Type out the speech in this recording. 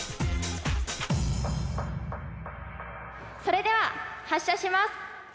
それでは発射します！